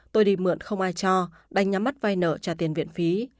tôi đi mượn không ai cho đánh nhắm mắt vai nợ trả tiền viện phí